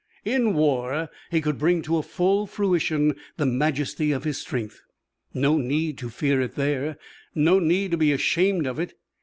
In war he could bring to a full fruition the majesty of his strength. No need to fear it there, no need to be ashamed of it.